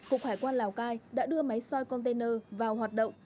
cục hải quan lào cai đã đưa máy soi container vào hoạt động